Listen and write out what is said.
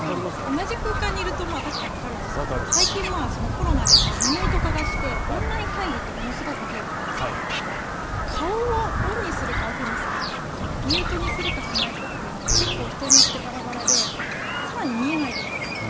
同じ空間にいるとわかるんですけど最近、コロナでリモート化してオンライン会議ってすごく増えたんですけど顔をオンにするかオフにするかとかミュートにするかしないかっていうのは結構、人によってばらばらで更に見えないじゃないですか。